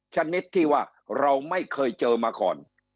ชนิดที่ว่าเราไม่เคยเจอมาก่อน